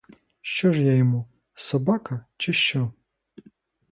Що ж я йому, собака, чи що?